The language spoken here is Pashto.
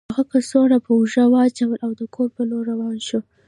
هغه کڅوړه په اوږه واچوله او د کور په لور روان شو